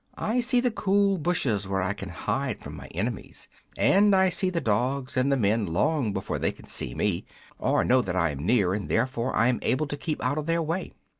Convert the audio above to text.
I see the cool bushes where I can hide from my enemies, and I see the dogs and the men long before they can see me, or know that I am near, and therefore I am able to keep out of their way."